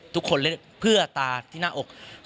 ทุกคนเล่นเพื่อตาที่หน้าอก